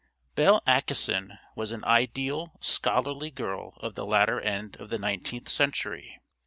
Belle Acheson was an ideal scholarly girl of the latter end of the nineteenth century.